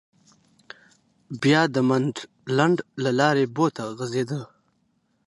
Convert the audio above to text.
بیا د منډلنډ له لارې بو ته غځېده.